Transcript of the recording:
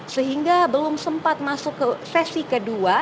sehingga belum sempat masuk ke sesi kedua